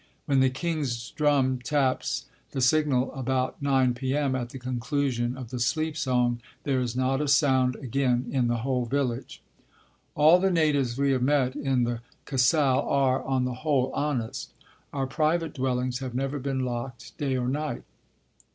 When the king's drum taps the signal about 9 P.M. at the conclusion of the sleep song there is not a sound again in the whole village. All the natives we have met in the Kasal are, on the whole, honest. Our private dwellings have never been locked day or night.